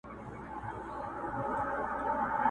چي به پورته څوك پر تخت د سلطنت سو،